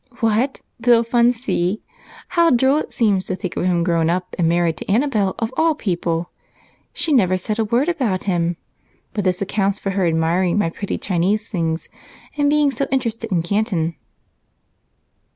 "What, little Fun See? How droll it seems to think of him grown up and married to Annabel of all people! She never said a word about him, but this accounts for her admiring my pretty Chinese things and being so interested in Canton."